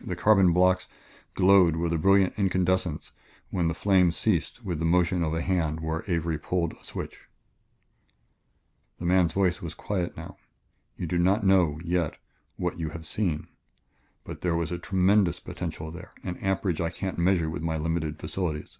The carbon blocks glowed with a brilliant incandescence when the flame ceased with the motion of a hand where Avery pulled a switch. The man's voice was quiet now. "You do not know, yet, what you have seen, but there was a tremendous potential there an amperage I can't measure with my limited facilities."